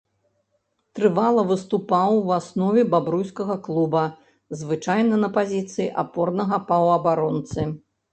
Трывала выступаў у аснове бабруйскага клуба, звычайна на пазіцыі апорнага паўабаронцы.